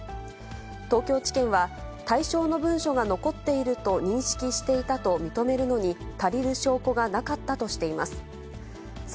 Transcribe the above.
東京地検は、対象の文書が残っていると認識していたと認めるのに足りる証拠がなかったとしています。